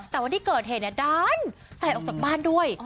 แต่วันที่เกิดเหตุดันใส่ออกจากบ้านด้วย